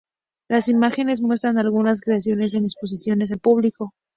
Las imágenes muestran algunas creaciones en exposiciones al público.